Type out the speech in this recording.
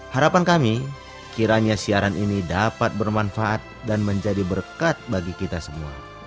harapan kami kiranya siaran ini dapat bermanfaat dan menjadi berkat bagi kita semua